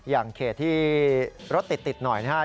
อย่างเขตที่รถติดหน่อยนะครับ